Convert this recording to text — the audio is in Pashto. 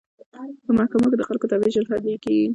په محکمو کې د خلکو دعوې ژر حل کیږي.